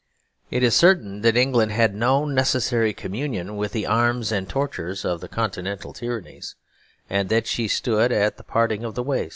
It is certain that England had no necessary communion with the arms and tortures of the Continental tyrannies, and that she stood at the parting of the ways.